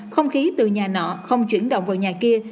không khí từ nhà nọ không chuyển động vào nhà kia